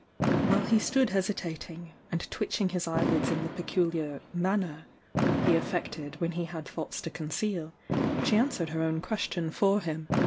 While he stood hesitating, and twitch ing his eyelids in the peculiar "manner" he affected when he had thoughts to conceal, she answered her own question for him.